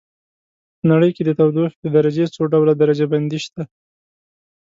په نړۍ کې د تودوخې د درجې څو ډول درجه بندي شته.